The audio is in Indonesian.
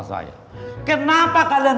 kenapa kalian ribut dengan anak mienyek itu